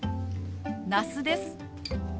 那須です。